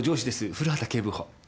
古畑警部補。